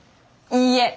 いいえ！